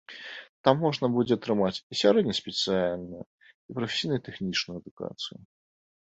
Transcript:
Там можна будзе атрымаць і сярэдне-спецыяльную, і прафесійна-тэхнічную адукацыю.